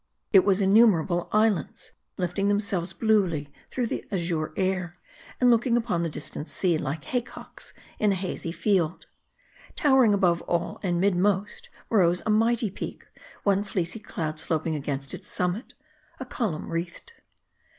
It was innumerable islands ; lifting themselves bluely through the azure air, and looking upon the distant sea, like haycocks in a hazy field. Towering above all, and mid most, rose a mighty peak ; one fleecy cloud sloping against its summit ; a column wreathed.